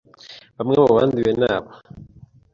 bamwe mu banduye naba